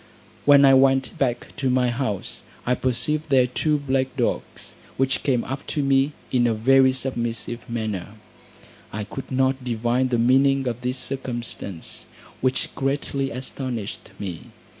When I went back to my house, I perceived there two black dogs, which came up to me in a very submissive manner: I could not divine the meaning of this circumstance, which greatly astonished me.